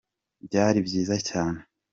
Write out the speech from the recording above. Byari byiza cyane.